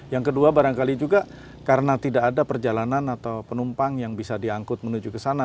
yang kedua barangkali juga karena tidak ada perjalanan atau penumpang yang bisa diangkut menuju ke sana